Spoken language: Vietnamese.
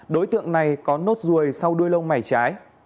đối tượng này có nốt ruồi sau đuôi lông mày trái